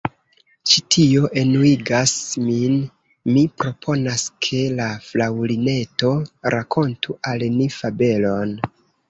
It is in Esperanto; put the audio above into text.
"Ĉi tio enuigas min! Mi proponas ke la Fraŭlineto rakontu al ni fabelon."